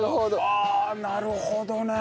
ああなるほどね。